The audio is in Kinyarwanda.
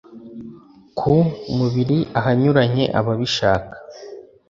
ku mubiri ahanyuranye aba abishaka